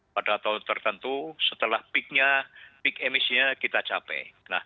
pada tahun tertentu setelah peaknya peak emisinya kita capai